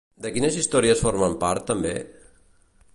De quines històries formen part també?